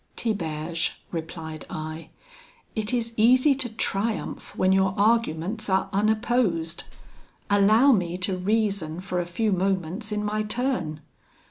"'Tiberge,' replied I, 'it is easy to triumph when your arguments are unopposed. Allow me to reason for a few moments in my turn.